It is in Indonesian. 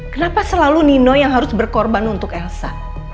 kenapa selalu nino yang harus berkorban untuk elsa